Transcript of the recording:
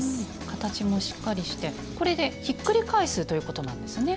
形もしっかりしてこれでひっくり返すということなんですね。